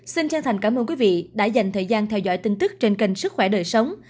xin chân thành cảm ơn quý vị đã dành thời gian theo dõi tin tức trên kênh sức khỏe đời sống